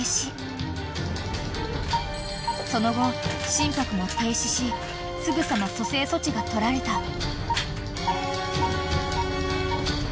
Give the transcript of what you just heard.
［その後心拍も停止しすぐさま蘇生措置が取られた］